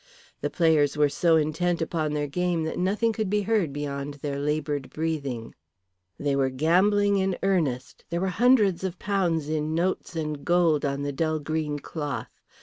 The players were so intent upon their game that nothing could be heard beyond their laboured breathing. They were gambling in earnest, there were hundreds of pounds in notes and gold on the dull green cloth.